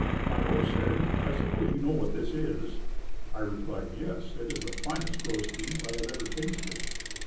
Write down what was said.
My host said, "I suppose you know what this is?" I replied, "Yes, it is the finest roast beef I have ever tasted."